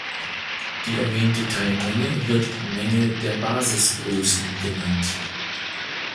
Die erwähnte Teilmenge wird "Menge der Basisgrößen" genannt.